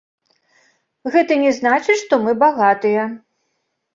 Гэта не значыць, што мы багатыя.